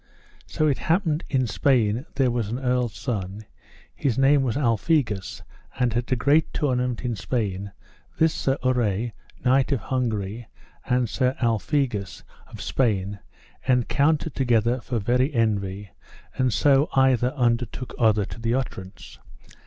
So it happened in Spain there was an earl's son, his name was Alphegus, and at a great tournament in Spain this Sir Urre, knight of Hungary, and Sir Alphegus of Spain encountered together for very envy; and so either undertook other to the utterance.